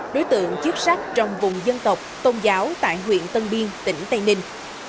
đối tượng chức sách trong vùng dân tộc tôn giáo tại huyện tân biên tỉnh tây ninh